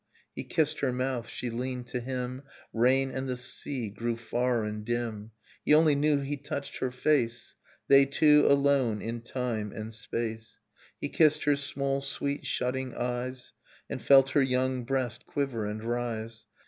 He kissed her mouth, she leaned to him, Rain and the sea grew far and dim. He only knew he touched her face, They two alone in time and space. He kissed her small, sweet, shutting eyes, And felt her young breast quiver and rise.